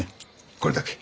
これだけ。